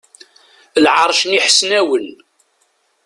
Lɛerc n Iḥesnawen.